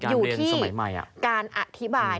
อยู่ที่การอธิบาย